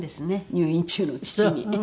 入院中の父に。